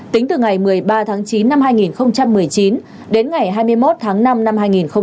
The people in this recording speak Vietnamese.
tính từ ngày một mươi ba tháng chín năm hai nghìn một mươi chín đến ngày hai mươi một tháng năm năm hai nghìn hai mươi